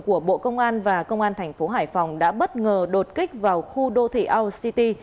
của bộ công an và công an tp hcm đã bất ngờ đột kích vào khu đô thị aung city